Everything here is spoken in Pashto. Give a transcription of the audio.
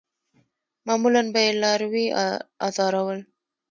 معمولاً به یې لاروي آزارول.